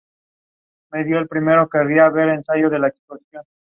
Jugó cuatro partidos, todos como titular.